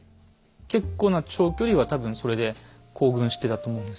結構な長距離は多分それで行軍してたと思うんですね。